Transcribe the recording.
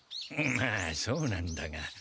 まあそうなんだが。